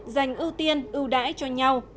giành ưu tiên ưu đãi cho nhau